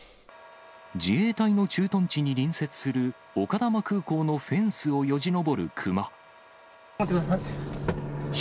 自衛隊の駐屯地に隣接する、丘珠空港のフェンスをよじ登るクマ。